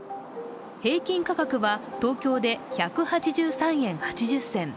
平均価格は東京で１８３円８０銭。